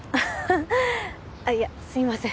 あっいやすいません